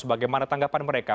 bagaimana tanggapan mereka